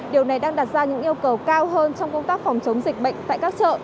điều này đang đặt ra những yêu cầu cao hơn trong công tác phòng chống dịch bệnh tại các chợ